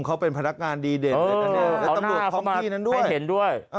เขาเป็นพนักงานดีเด่นเออเอาหน้าเขามาให้เห็นด้วย